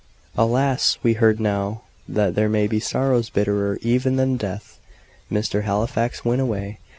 Alas! we learned now that there may be sorrows bitterer even than death. Mr. Halifax went away.